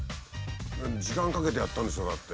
時間かけてやったんでしょだって。